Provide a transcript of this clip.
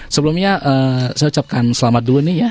sebelumnya saya ucapkan selamat dulu nih ya